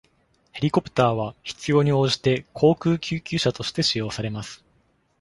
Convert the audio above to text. ヘリコプターは必要に応じて航空救急車として使用されます。